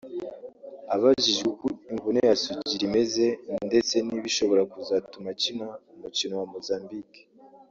Abajwijwe uko imvune ya Sugira imeze ndetse niba ishobora kuzatuma akina umukino wa Mozambique